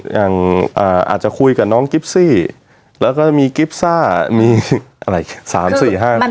อย่างอาจจะคุยกับน้องกิฟซี่แล้วก็จะมีกิฟซ่ามีอะไร๓๔๕คน